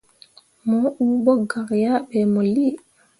Mo uu ɓo gak yah ɓe mo lii.